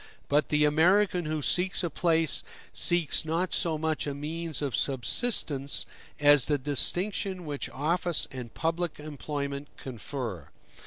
But the American who seeks a place seeks not so much a means of subsistence as the distinction which office and public employment confer.